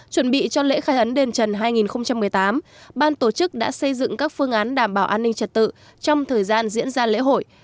chuẩn bị cho lễ khai ấn đền trần hai nghìn một mươi tám ban tổ chức đã xây dựng các phương án đảm bảo an ninh trật tự trong thời gian diễn ra lễ hội